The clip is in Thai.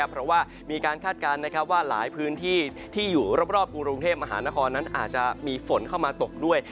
เพราะว่ามีการคาดการณ์ว่าหลายพื้นที่ที่อยู่รอบกรุงเทพมหานครนั้นอาจจะมีฝนเข้ามาตกด้วย